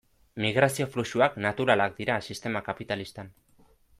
Migrazio fluxuak naturalak dira sistema kapitalistan.